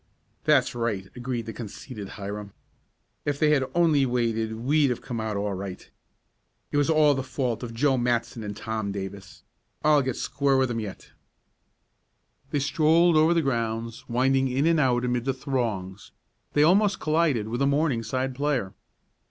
"That's right," agreed the conceited Hiram. "If they had only waited we'd have come out all right. It was all the fault of Joe Matson and Tom Davis. I'll get square with 'em yet." They strolled over the grounds, winding in and out amid the throngs. They almost collided with a Morningside player.